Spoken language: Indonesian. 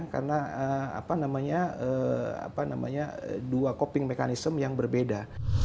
karena dua coping mechanism yang berbeda